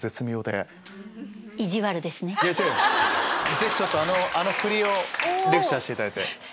ぜひあのふりをレクチャーしていただいて。